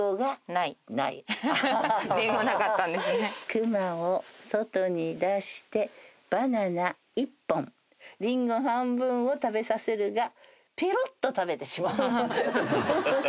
「熊を外に出してバナナ１本」「リンゴ半分を食べさせるがペロッと食べてしまう」